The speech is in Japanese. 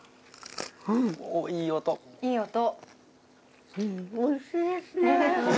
いい音。